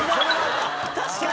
確かに！